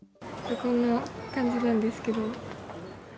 こんな感じなんですけど。